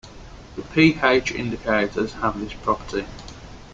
The pH indicators have this property.